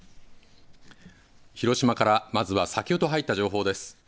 広島からまずは先ほど入った情報です。